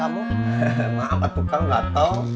maaf atuh kan gak tau